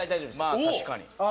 まあ確かに。